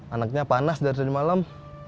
anaknya panas dari malam